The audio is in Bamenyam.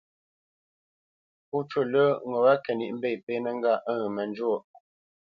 Pó cú lə́ ŋo wá kə níʼ mbépénə̄ ngâʼ ə̂ŋ mə njwôʼ.